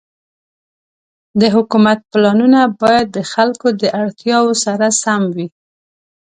د حکومت پلانونه باید د خلکو د اړتیاوو سره سم وي.